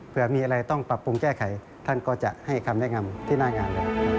เพื่อมีอะไรต้องปรับปรุงแก้ไขท่านก็จะให้คำแนะนำที่หน้างาน